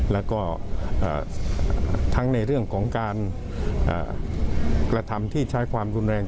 แล้วก็ทั้งในเรื่องของการกระทำที่ใช้ความรุนแรง